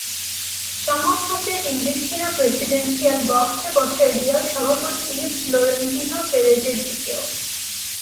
সমর্থকদের ইঙ্গিত ছিল প্রেসিডেন্সিয়াল বক্সে বসা রিয়াল সভাপতি ফ্লোরেন্তিনো পেরেজের দিকেও।